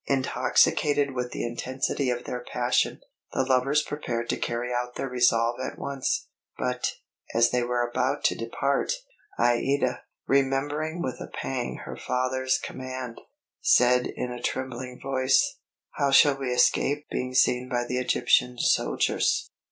Intoxicated with the intensity of their passion, the lovers prepared to carry out their resolve at once; but, as they were about to depart, Aïda, remembering with a pang her father's command, said in a trembling voice: "How shall we escape being seen by the Egyptian soldiers?"